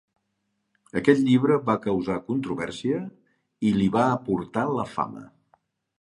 Aquest llibre va causar controvèrsia i li va portar la fama.